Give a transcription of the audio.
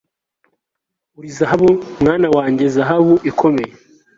uri zahabu, mwana wanjye. zahabu ikomeye